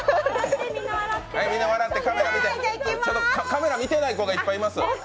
カメラ見てない子がいっぱいいますよ。